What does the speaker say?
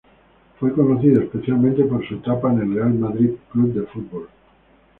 Fue conocido especialmente por su etapa en el Real Madrid Club de Fútbol.